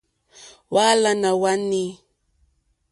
Hwálánà hwá nǐ.